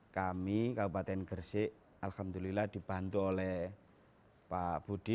kami kabupaten gresik alhamdulillah dibantu oleh pak budi